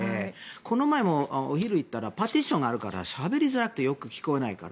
この前もお昼に行ったらパーティションがあるからしゃべりづらくてよく聞こえないから。